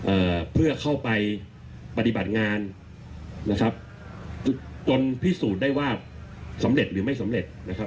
เอ่อเพื่อเข้าไปปฏิบัติงานนะครับจนพิสูจน์ได้ว่าสำเร็จหรือไม่สำเร็จนะครับ